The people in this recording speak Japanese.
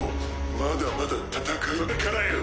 まだまだ戦いはこれからよ。